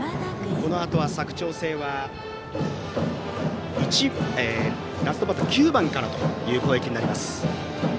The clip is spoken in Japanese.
このあとは佐久長聖はラストバッター９番からという攻撃になります。